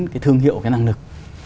cái thương hiệu cái năng lực